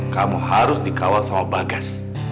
kamu harus dikawal sama bagas